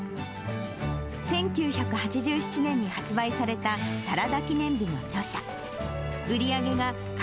１９８７年に発売されたサラダ記念日の著者。